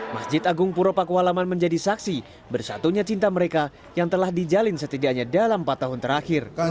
masjid agung puro pakualaman menjadi saksi bersatunya cinta mereka yang telah dijalin setidaknya dalam empat tahun terakhir